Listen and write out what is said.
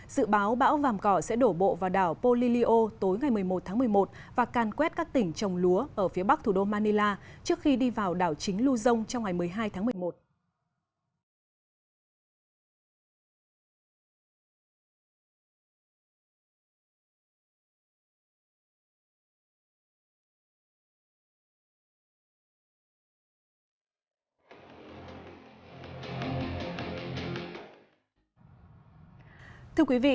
dự báo bão vàm cỏ sẽ đổ bộ vào đảo polilio tối ngày một mươi một tháng một mươi một và can quét các tỉnh trồng lúa ở phía bắc thủ đô manila trước khi đi vào đảo chính luzon trong ngày một mươi hai tháng một mươi một